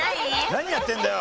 何やってんだよ。